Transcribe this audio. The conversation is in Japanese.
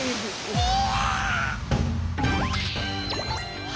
うわ！